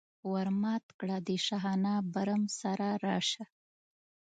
ور مات کړه د شاهانه برم سره راشه.